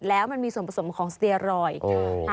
แล้วมันมีส่วนผสมของสเตียรอยด์ค่ะ